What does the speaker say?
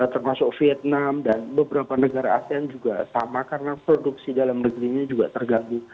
termasuk vietnam dan beberapa negara asean juga sama karena produksi dalam negerinya juga terganggu